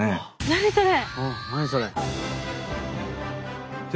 何それ？